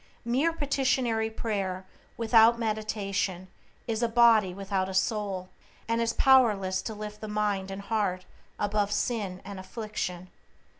Mere petitionary prayer without meditation is a body without a soul, and is powerless to lift the mind and heart above sin and affliction.